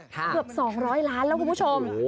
เกือบ๒๐๐ล้านแล้วคุณผู้ชม